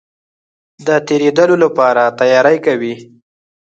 د تېرېدلو لپاره تیاری کوي.